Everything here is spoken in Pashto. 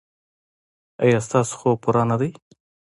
ایا ستاسو خوب پوره نه دی؟